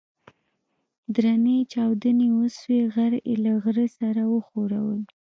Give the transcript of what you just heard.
درنې چاودنې وسوې غر يې له غره سره وښوراوه.